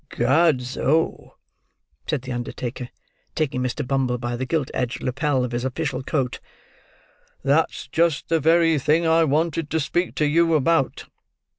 "Gadso!" said the undertaker: taking Mr. Bumble by the gilt edged lappel of his official coat; "that's just the very thing I wanted to speak to you about.